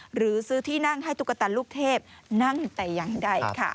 หรือซื้อที่นั่งให้ตุ๊กตาลูกเทพนั่งแต่อย่างใดค่ะ